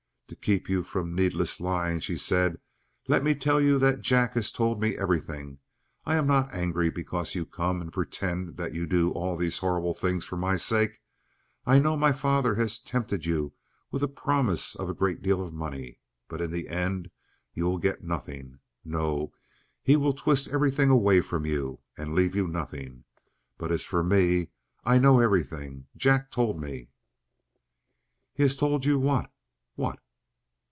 "To keep you from needless lying," she said, "let me tell you that Jack has told me everything. I am not angry because you come and pretend that you do all these horrible things for my sake. I know my father has tempted you with a promise of a great deal of money. But in the end you will get nothing. No, he will twist everything away from you and leave you nothing! But as for me I know everything; Jack told me." "He has told you what? What?"